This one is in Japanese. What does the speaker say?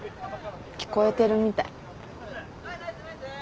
聞こえてるみたい。